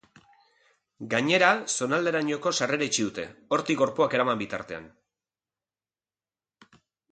Gainera, zonalderainoko sarrera itxi dute, hortik gorpuak eraman bitartean.